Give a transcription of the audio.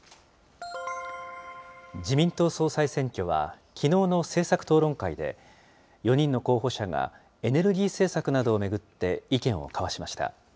自民党総裁選挙は、きのうの政策討論会で、４人の候補者がエネルギー政策などを巡って意見を交わしました。